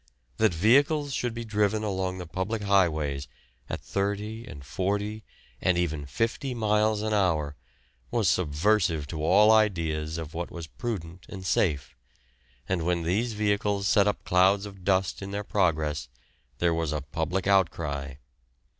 That vehicles should be driven along the public highways at thirty and forty, and even fifty miles an hour, was subversive of all ideas of what was prudent and safe, and when these vehicles set up clouds of dust in their progress, there was a public outcry.